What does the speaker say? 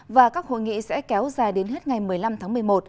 và các hội nghị sẽ kéo dài đến hết ngày một mươi năm tháng một mươi một